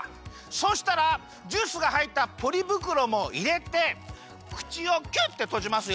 そしたらジュースがはいったポリぶくろもいれてくちをキュッてとじますよ。